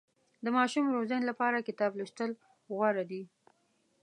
د ماشوم روزنې لپاره کتاب لوستل غوره دي.